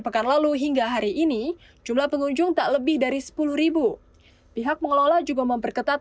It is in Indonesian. pekan lalu hingga hari ini jumlah pengunjung tak lebih dari sepuluh pihak pengelola juga memperketat